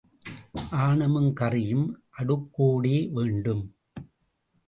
ஆணமும் கறியும் அடுக்கோடே வேண்டும்.